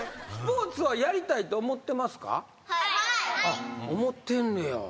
あっ思ってんねや。